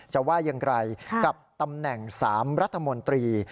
ว่าอย่างไรกับตำแหน่ง๓รัฐมนตรี